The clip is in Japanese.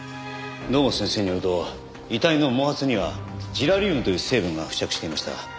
堂本先生によると遺体の毛髪にはジラリウムという成分が付着していました。